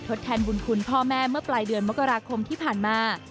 แทนบุญคุณพ่อแม่เมื่อปลายเดือนมกราคมที่ผ่านมา